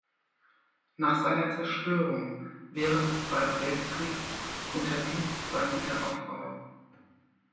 Nach seiner Zerstörung während des Zweiten Weltkriegs unterblieb sein Wiederaufbau.